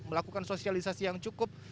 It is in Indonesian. melakukan sosialisasi yang cukup